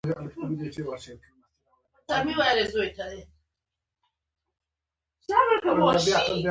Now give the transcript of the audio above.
پښتون ژغورني غورځنګ په لندن کي ملي جرګه لري.